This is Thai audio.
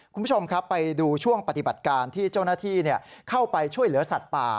คุณผู้ชมครับไปดูช่วงปฏิบัติการที่เจ้าหน้าที่เข้าไปช่วยเหลือสัตว์ป่า